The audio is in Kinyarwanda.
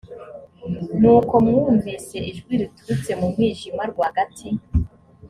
nuko mwumvise ijwi riturutse mu mwijima rwagati